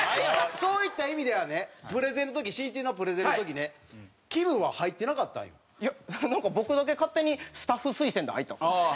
そういった意味ではねプレゼンの時しんいちのプレゼンの時ねなんか僕だけ勝手にスタッフ推薦で入ったんですよね。